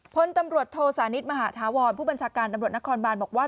พลตำรวจโทสานิทมหาธาวรผู้บัญชาการตำรวจนครบานบอกว่า